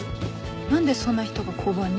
何でそんな人が交番に？